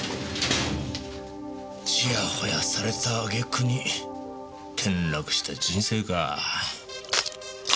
ちやほやされた揚げ句に転落した人生か。